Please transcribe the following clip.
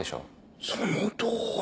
そのとおり。